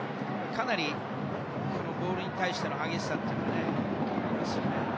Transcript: かなりボールに対しての激しさがありますね。